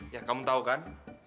ya kamu tau kan